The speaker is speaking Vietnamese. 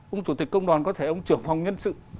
ông chủ tịch công đoàn có thể ông trưởng phòng nhân sự